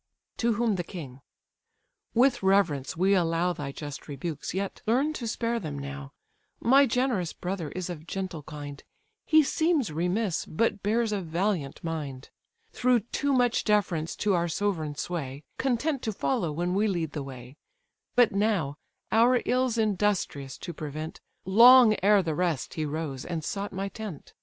To whom the king: "With reverence we allow Thy just rebukes, yet learn to spare them now: My generous brother is of gentle kind, He seems remiss, but bears a valiant mind; Through too much deference to our sovereign sway, Content to follow when we lead the way: But now, our ills industrious to prevent, Long ere the rest he rose, and sought my tent.